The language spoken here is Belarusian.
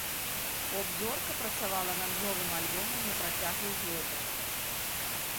Поп-зорка працавала над новым альбомам на працягу года.